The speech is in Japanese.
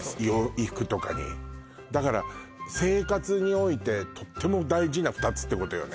衣服とかにだから生活においてとっても大事な２つってことよね